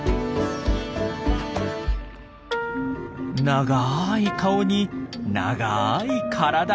長い顔に長い体。